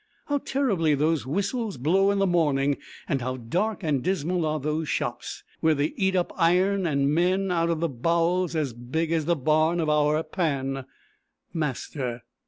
How terribly those whistles blow in the morning and how dark and dismal are those shops, where they eat up iron and men out of bowls as big as the barn of our 'Pan' (master).